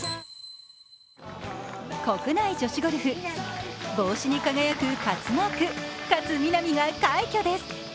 国内女子ゴルフ帽子に輝く勝マーク、勝みなみが快挙です。